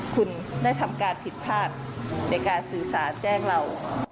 คุณได้ทำการผิดพลาดในการสื่อสารแจ้งเรา